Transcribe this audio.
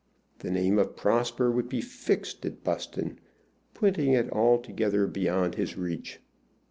The name of Prosper would be fixed at Buston, putting it altogether beyond his reach.